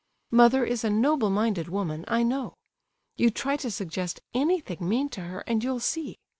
Mother is a noble minded woman, I know; you try to suggest anything mean to her, and you'll see!